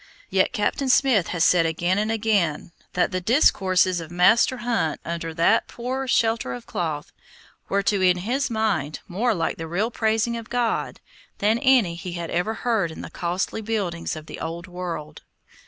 Yet Captain Smith has said again and again, that the discourses of Master Hunt under that poor shelter of cloth, were, to his mind, more like the real praising of God, than any he had ever heard in the costly buildings of the old world.